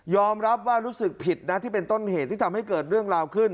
รับว่ารู้สึกผิดนะที่เป็นต้นเหตุที่ทำให้เกิดเรื่องราวขึ้น